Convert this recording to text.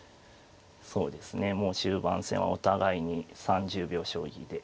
もう終盤戦はお互いに３０秒将棋で。